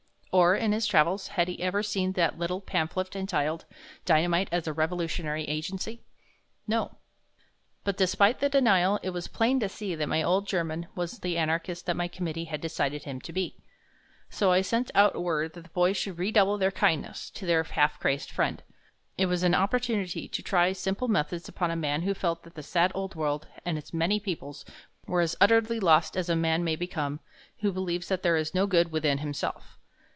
Or, in his travels, had he ever seen that little pamphlet entitled, "Dynamite as a Revolutionary Agency?" No. But despite the denial, it was plain to see that my old German was the anarchist that my committee had decided him to be. So I sent out word that the boys should redouble their kindness to their half crazed friend. It was an opportunity to try our simple methods upon a man who felt that the sad old world and its many peoples were as utterly lost as a man may become who believes that there is no good within himself.